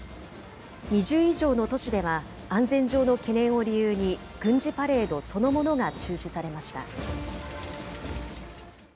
２０以上の都市では、安全上の懸念を理由に、軍事パレードそのものが中止されました。